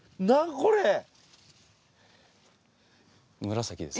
何これ？